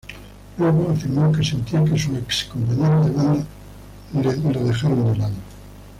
Luego afirmó que sentía que sus ex compañeros de banda "lo dejaron de lado".